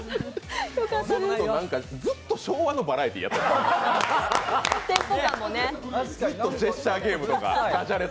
ずっと昭和のバラエティーやってる。